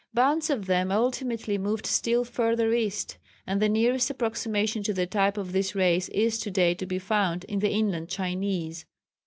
Bands of them ultimately moved still further east, and the nearest approximation to the type of this race is to day to be found in the inland Chinese.